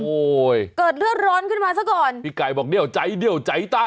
เกิดเลือดร้อนขึ้นมาซะก่อนพี่ไก่บอกเดี่ยวใจเดียวใจต้า